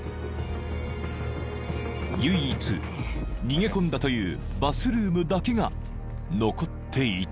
［唯一逃げ込んだというバスルームだけが残っていた］